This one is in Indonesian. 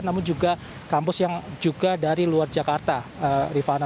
namun juga kampus yang juga dari luar jakarta rifana